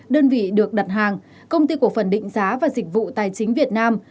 đơn vị được đặt hàng công ty cổ phần định giá và dịch vụ tài chính việt nam